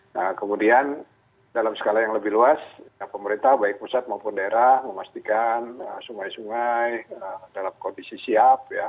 nah kemudian dalam skala yang lebih luas pemerintah baik pusat maupun daerah memastikan sungai sungai dalam kondisi siap